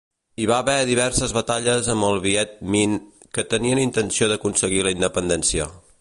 Hi va haver diverses batalles amb el Viet Minh, que tenien intenció d'aconseguir la independència.